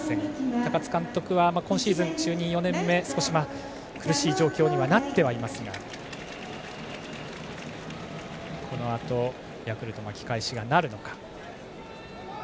高津監督は今シーズン就任４年目少し苦しい状況にはなってはいますがこのあと、ヤクルト巻き返しなるのか。